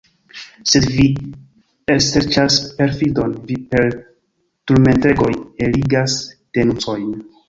Sed vi elserĉas perfidon, vi per turmentegoj eligas denuncojn.